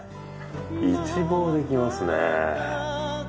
一望できますね。